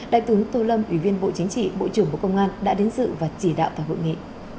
đại tướng tô lâm ủy viên bộ chính trị bộ trưởng bộ công an đã đến dự và chỉ đạo tại hội nghị